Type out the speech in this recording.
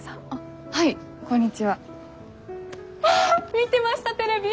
見てましたテレビ！